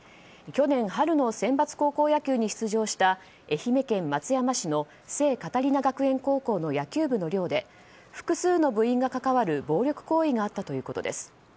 去年春のセンバツ高校野球に出場した愛媛県松山市の聖カタリナ学園高校の野球部の寮で複数の部員がかかわる暴力行為があったということです。